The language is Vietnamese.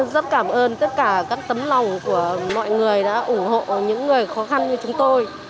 rất cảm ơn tất cả các tấm lòng của mọi người đã ủng hộ những người khó khăn như chúng tôi